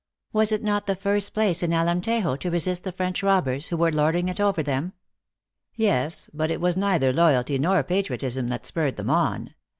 Was it not the first place in Alemtejo to resist the French robbers, who were lording it over them ?" "Yes. But it was neither loyalty nor patriotism that spurred them on.